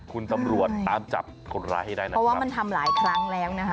คุณตำรวจตามจับคนร้ายให้ได้นะครับเพราะว่ามันทำหลายครั้งแล้วนะคะ